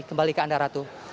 kembali ke anda ratu